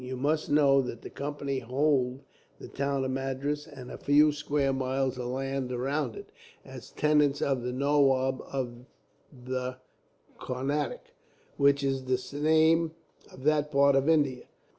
You must know that the Company hold the town of Madras, and a few square miles of land around it, as tenants of the Nawab of the Carnatic, which is the name of that part of India.